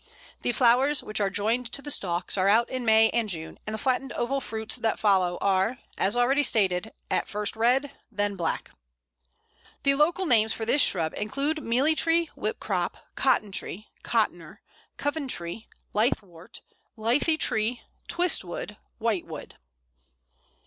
The flowers, which are jointed to the stalks, are out in May and June, and the flattened oval fruits that follow are, as already stated, at first red, then black. The local names for this shrub include Mealy tree, Whipcrop, Cotton tree, Cottoner, Coventree, Lithe wort, Lithy tree, Twist wood, White wood.